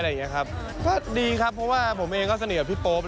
ก็ดีครับเพราะว่าผมเองก็สนิทกับพี่โป๊ป